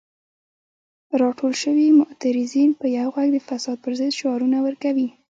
راټول شوي معترضین په یو غږ د فساد پر ضد شعارونه ورکوي.